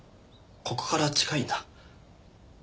ここから近いんだ。